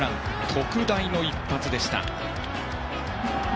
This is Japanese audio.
特大の一発でした。